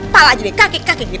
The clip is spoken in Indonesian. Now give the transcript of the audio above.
tolak aja deh kaki kaki gitu